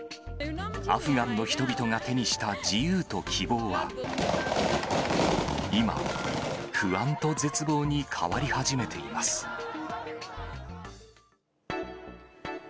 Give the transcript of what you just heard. アフガンの人々が手にした自由と希望は今、不安と絶望に変わり始めています。